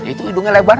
itu hidungnya lebar